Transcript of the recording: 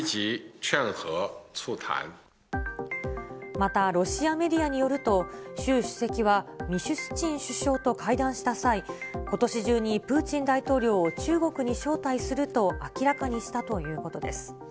また、ロシアメディアによると、習主席はミシュスチン首相と会談した際、ことし中にプーチン大統領を中国に招待すると明らかにしたということです。